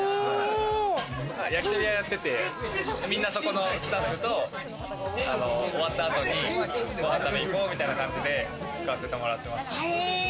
焼き鳥屋をやってて、みんな、そこのスタッフと終わった後にご飯食べに行こうみたいな感じで使わせてもらってます。